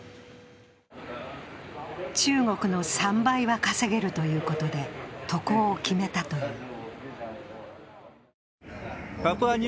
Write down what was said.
中国の３倍は稼げるということで渡航を決めたという。